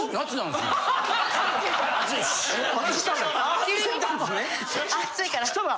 暑いから。